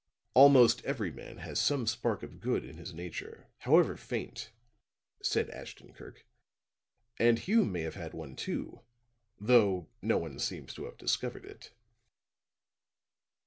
"Almost every man has some spark of good in his nature, however faint," said Ashton Kirk. "And Hume may have had one, too, though no one seems to have discovered it."